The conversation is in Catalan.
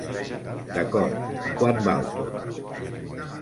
D'acord. Quant val tot?